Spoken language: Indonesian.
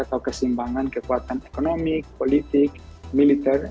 atau kesimbangan kekuatan ekonomi politik militer